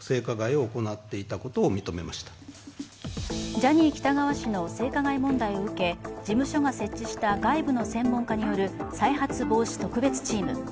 ジャニー喜多川氏の性加害問題を受け事務所が設置した外部の専門家による再発防止特別チーム。